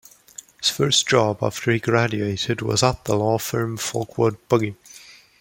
His first job after he graduated was at the law firm Folkvard Bugge.